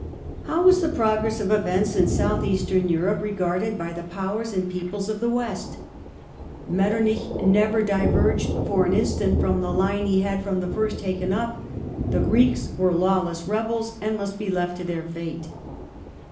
The How was the progress of events in South Eastern Europe re ^°r^u^ garded by the Powers and the peoples of the West ? Metternich Eastern never diverged for an instant from the line he had from the first question taken up ; the Greeks were lawless rebels and must be left to their fate.